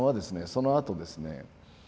そのあとですね。